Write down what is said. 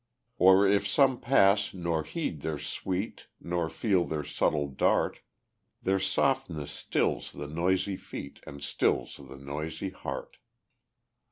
Or if some pass nor heed their sweet, Nor feel their subtle dart, Their softness stills the noisy feet, And stills the noisy heart.